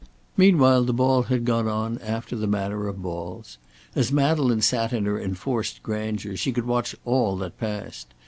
Meanwhile the ball had gone on after the manner of balls. As Madeleine sat in her enforced grandeur she could watch all that passed.